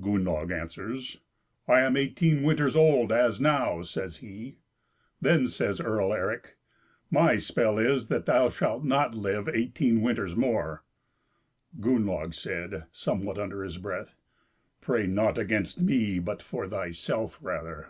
Gunnlaug answers: "I am eighteen winters old as now," says he. Then says Earl Eric, "My spell is that thou shalt not live eighteen winters more." Gunnlaug said, somewhat under his breath: "Pray not against me, but for thyself rather."